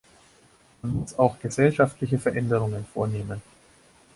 Man muss auch gesellschaftliche Veränderungen vornehmen.